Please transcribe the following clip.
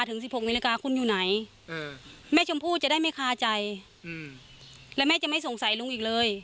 ลุงพลอยู่ไหนแม่ชมพู่จะได้ไม่คาใจและแม่จะไม่สงสัยลุงอีกเลย